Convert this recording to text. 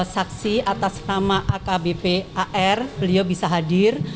saksi atas nama akbp ar beliau bisa hadir